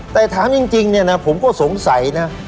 แต่ถามจริงเนี่ยนะผมก็สงสัยนะ